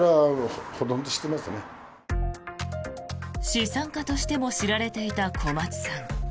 資産家としても知られていた小松さん。